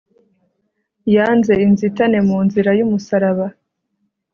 yanze inzitane mu nzira y'umusaraba